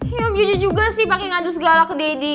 ya om jojo juga sih pake ngadu segala ke dedy